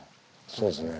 そうですね。